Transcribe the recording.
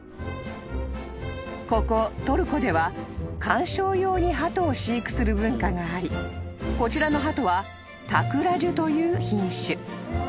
［ここトルコでは観賞用にハトを飼育する文化がありこちらのハトはタクラジュという品種］